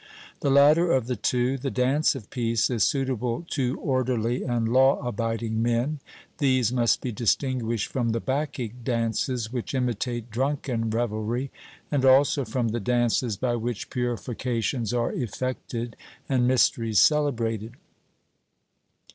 The latter of the two, the dance of peace, is suitable to orderly and law abiding men. These must be distinguished from the Bacchic dances which imitate drunken revelry, and also from the dances by which purifications are effected and mysteries celebrated.